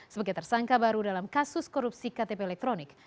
sebagai tersangka baru dalam kasus korupsi ktp elektronik